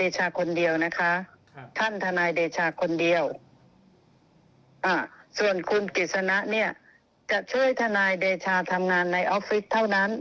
จะช่วยทนายเดชาฯทำงานในออฟฟิศเท่านั้น